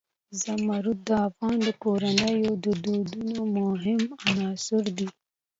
زمرد د افغان کورنیو د دودونو مهم عنصر دی.